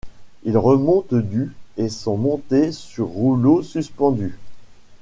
Ils remontent du et sont montés sur rouleaux suspendus.